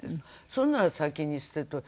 それなら先に捨てて。